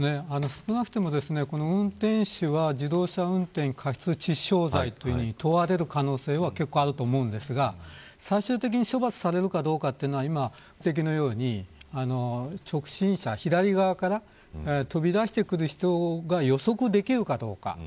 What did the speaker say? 少なくとも運転手は自動車運転過失致傷罪に問われる可能性は結構、あると思うんですが最終的に処罰されるかどうかは今ご指摘のように、直進車左側から飛び出してくる人が予測できるかどうか。